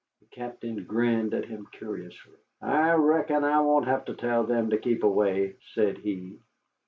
The captain grinned at him curiously. "I reckon I won't have to tell them to keep away," said he.